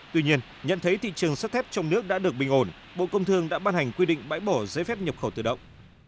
tuy nhiên nhận thấy thị trường xuất thép trong nước đã được bình ổn bộ công thương đã ban hành quy định bãi bỏ giấy phép nhập khẩu tự động